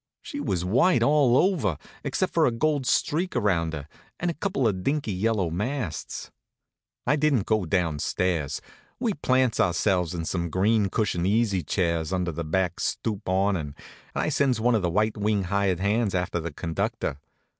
She was white all over, except for a gold streak around her, and a couple of dinky yellow masts. I didn't go down stairs. We plants ourselves in some green cushioned easy chairs under the back stoop awnin', and I sends one of the white wing hired hands after the conductor.